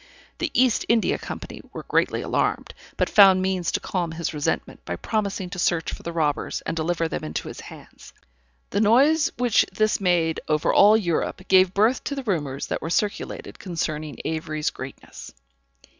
The East India Company were greatly alarmed, but found means to calm his resentment, by promising to search for the robbers, and deliver them into his hands. The noise which this made over all Europe, gave birth to the rumors that were circulated concerning Avery's greatness.